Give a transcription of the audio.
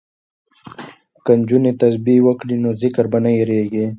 که نجونې تسبیح وکړي نو ذکر به نه هیریږي.